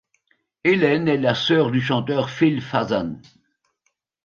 Hélène est la sœur du chanteur Phil Fasan.